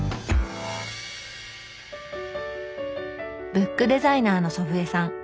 ブックデザイナーの祖父江さん。